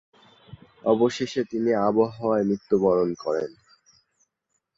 অবশেষে তিনি আবওয়ায় মৃত্যুবরণ করেন।